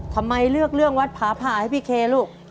ทำไมเลือกเรื่องวัดผาผ่าให้พี่เคลูก